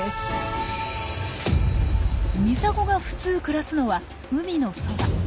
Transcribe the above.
ミサゴが普通暮らすのは海のそば。